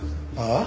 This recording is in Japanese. ああ？